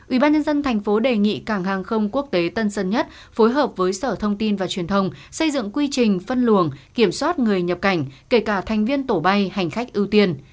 ubnd tp đề nghị cảng hàng không quốc tế tân sơn nhất phối hợp với sở thông tin và truyền thông xây dựng quy trình phân luồng kiểm soát người nhập cảnh kể cả thành viên tổ bay hành khách ưu tiên